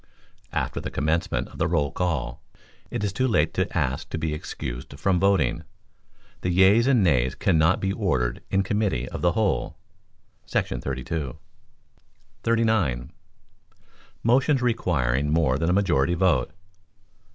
After the commencement of the roll call, it is too late to ask to be excused from voting. The yeas and nays cannot be ordered in committee of the whole [§ 32]. 39. Motions Requiring More than a Majority Vote.